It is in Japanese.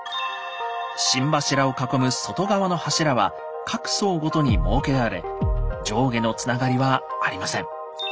心柱を囲む外側の柱は各層ごとに設けられ上下のつながりはありません。